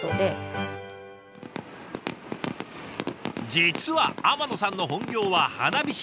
実は天野さんの本業は花火師。